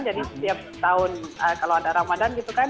jadi setiap tahun kalau ada ramadan gitu kan